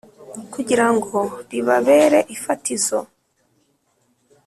kugira ngo ribabere ifatizo.